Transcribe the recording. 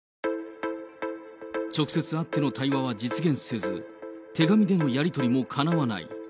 直接会っての対話は実現せず、手紙でのやり取りもかなわない。